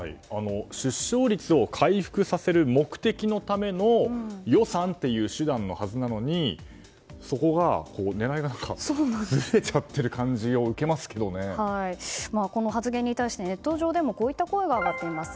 出生率を回復させる目的のための予算という手段のはずなのにそこが、狙いが何かずれちゃっている感じをこの発言に対してネット上でもこういった声が上がっています。